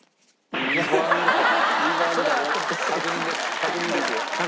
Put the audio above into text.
確認です。